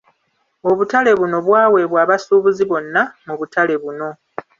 Obutale buno bwaweebwa abasuubuzi bonna mu butale buno.